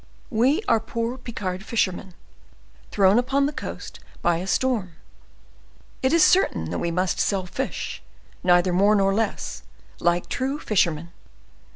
We are poor Picard fishermen, thrown upon the coast by a storm. It is certain that we must sell fish, neither more nor less, like true fishermen.